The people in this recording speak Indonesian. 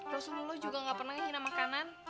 rasulullah juga gak pernah ngina makanan